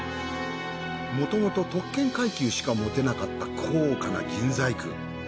もともと特権階級しか持てなかった高価な銀細工。